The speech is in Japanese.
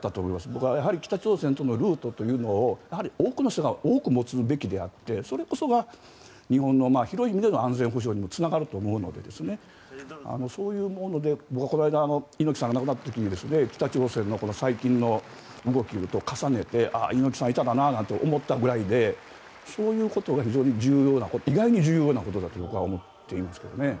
僕は北朝鮮のルートというのをやはり多くの人が多く持つべきであってそれこそが日本の広い意味での安全保障にもつながると思うので僕はこの間猪木さんが亡くなった時に北朝鮮の最近の動きと重ねて猪木さんがいたなと思ったぐらいでそういうことが非常に重要な意外に重要なことだと思っていますけどね。